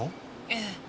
ええ。